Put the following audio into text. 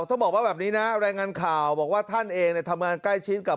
ต้องบอกว่าแบบนี้นะรายงานข่าวบอกว่าท่านเองทำงานใกล้ชิดกับ